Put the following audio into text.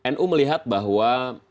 nu melihat bahwa